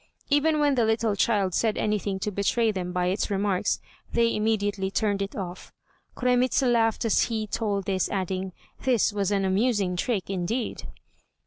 Even when the little child said anything to betray them by its remarks, they immediately turned it off." Koremitz laughed as he told this, adding, "this was an amusing trick indeed."